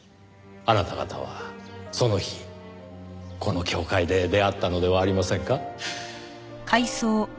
あなた方はその日この教会で出会ったのではありませんか？